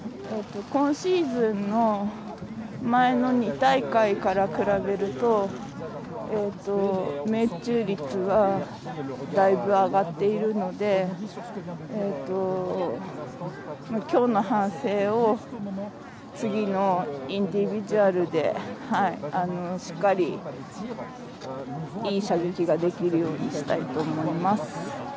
今シーズンの前の２大会から比べると命中率はだいぶ上がっているのできょうの反省を次のインディビジュアルでしっかりいい射撃ができるようにしたいと思います。